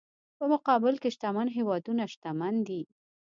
په مقابل کې شتمن هېوادونه شتمن دي.